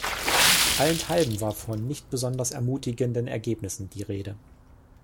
Allenthalben war von nicht besonders ermutigenden Ergebnissen die Rede.